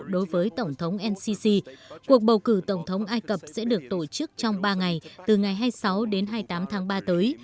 đối với tổng thống ncc cuộc bầu cử tổng thống ai cập sẽ được tổ chức trong ba ngày từ ngày hai mươi sáu đến hai mươi tám tháng ba tới